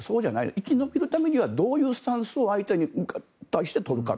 生き延びるためにはどういうスタンスを相手に対して取るかと。